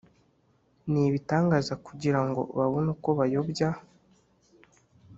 N ibitangaza kugira ngo babone uko bayobya